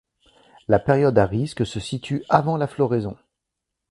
La période à risque se situe avant la floraison.